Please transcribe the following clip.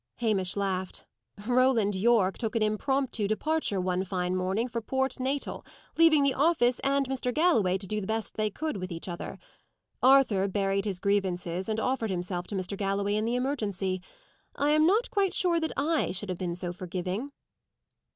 Hamish laughed. "Roland Yorke took an impromptu departure one fine morning, for Port Natal, leaving the office and Mr. Galloway to do the best they could with each other. Arthur buried his grievances and offered himself to Mr. Galloway in the emergency. I am not quite sure that I should have been so forgiving."